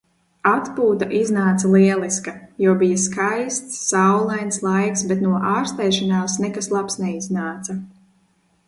Atpūta iznāca lieliska, jo bija skaists, saulains laiks, bet no ārstēšanās nekas labs neiznāca.